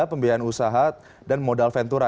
pembiayaan usaha dan modal ventura